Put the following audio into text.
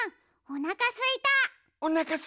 おなかすいた！